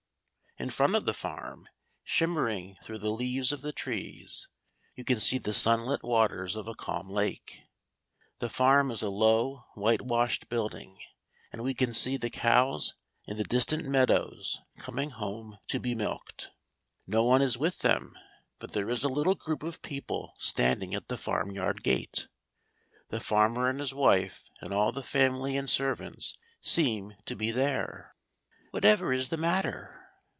In front of the farm, shimmering through the leaves of the trees, you can see the sunlit waters of a calm lake. The farm is a low whitewashed building, and we can see the cows in the distant meadows coming home to be milked. No one is with them; but there is a little group of people standing at the farmyard gate. The farmer and his wife and all the family and servants seem to be there. Whatever is the matter?